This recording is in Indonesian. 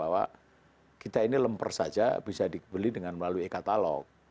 apalagi pak presiden sudah menyampaikan bahwa kita ini lemper saja bisa dibeli melalui e katalog